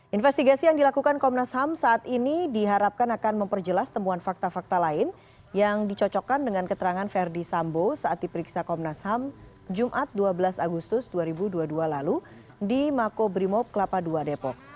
investigasi yang dilakukan komnas ham saat ini diharapkan akan memperjelas temuan fakta fakta lain yang dicocokkan dengan keterangan verdi sambo saat diperiksa komnas ham jumat dua belas agustus dua ribu dua puluh dua lalu di makobrimob kelapa ii depok